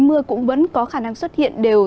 mưa cũng vẫn có khả năng xuất hiện đều